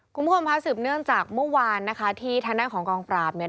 คุณผู้ชมค่ะสืบเนื่องจากเมื่อวานนะคะที่ทางด้านของกองปราบเนี่ย